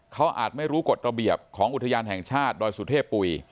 เขาอาจไม่รู้กฎระเบียบของอุทยานแห่งชาติดอยสุเทพปุ๋ย